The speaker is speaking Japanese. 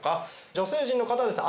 女性陣の方はですね